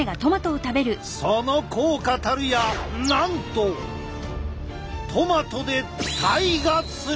その効果たるやなんとトマトでええ！